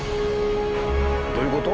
どういうこと？